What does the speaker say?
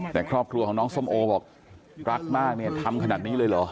แต่ครอบครัวของน้องส้มโอบอกรักมากเนี่ยทำขนาดนี้เลยเหรอ